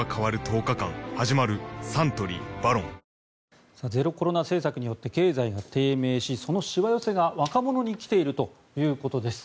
サントリー「ＶＡＲＯＮ」ゼロコロナ政策によって経済が低迷しそのしわ寄せが若者に来ているということです。